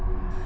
aku mau lihat